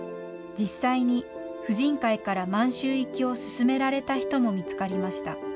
実際に、婦人会から満州行きを勧められた人も見つかりました。